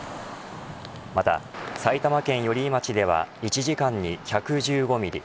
また埼玉県寄居町では１時間に１１５ミリ